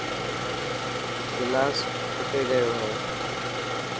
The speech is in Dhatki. گلاس ٽٽي گيو هي.